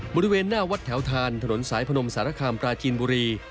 บริเวณหน้าวัดแถวทานถนนสายพนมสารคามปราจีนบุรี